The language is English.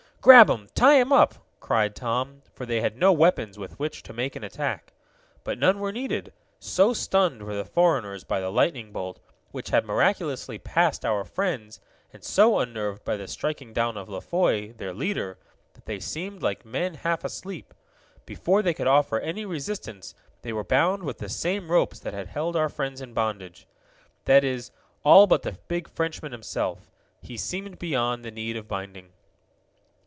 "Grab 'em! Tie 'em up!" cried Tom, for they had no weapons with which to make an attack. But none were needed. So stunned were the foreigners by the lightning bolt, which had miraculously passed our friends, and so unnerved by the striking down of La Foy, their leader, that they seemed like men half asleep. Before they could offer any resistance they were bound with the same ropes that had held our friends in bondage. That is, all but the big Frenchman himself. He seemed beyond the need of binding.